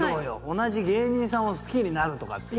同じ芸人さんを好きになるとかって。